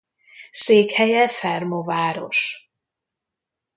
Székhelye Fermo város.